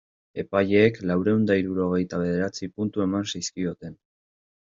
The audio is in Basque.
Epaileek laurehun eta hirurogeita bederatzi puntu eman zizkioten.